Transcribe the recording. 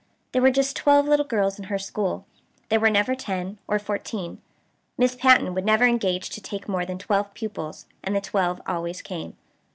There were just twelve little girls in her school. There were never ten, or fourteen. Miss Patten would never engage to take more than twelve pupils; and the twelve always came.